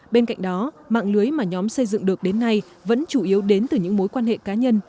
bên cạnh đó mạng lưới mà nhóm xây dựng được đến nay vẫn chủ yếu đến từ những mối quan hệ cá nhân